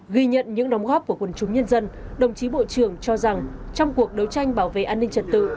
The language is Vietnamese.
ghi nhận những đóng góp của quân chúng nhân dân đồng chí bộ trưởng cho rằng trong cuộc đấu tranh bảo vệ an ninh trật tự